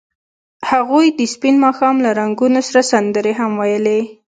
هغوی د سپین ماښام له رنګونو سره سندرې هم ویلې.